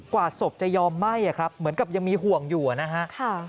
ศพจะยอมไหม้ครับเหมือนกับยังมีห่วงอยู่นะฮะ